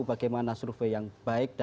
bagaimana survei yang baik